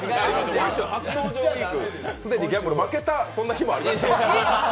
既にギャンブル負けた、そんな日もある？